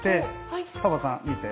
パパさん見て。